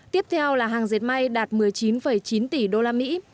tiếp theo là hàng dệt may đạt một mươi chín chín tỷ usd